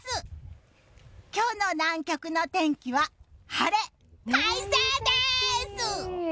今日の南極の天気は晴れ快晴です！